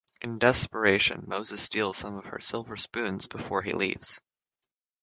In desperation, Moses steals some of her silver spoons before he leaves.